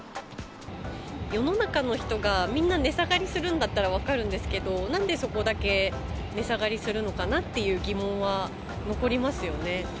世の中の人がみんな値下がりするんだったら分かるんですけど、なんでそこだけ値下がりするのかなっていう疑問は残りますよね。